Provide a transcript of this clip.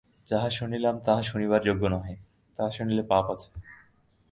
যাহা শুনিলাম তাহা শুনিবার যোগ্য নহে, তাহা শুনিলে পাপ আছে।